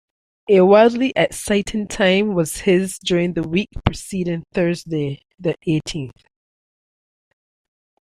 A wildly exciting time was his during the week preceding Thursday the eighteenth.